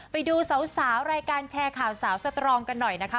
ไปดูสาวรายการแชร์ข่าวสาวสตรองกันหน่อยนะคะ